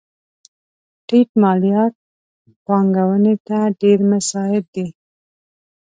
ټیټ مالیات پانګونې ته ډېر مساعد دي.